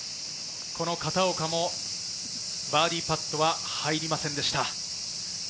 片岡もバーディーパットは入りませんでした。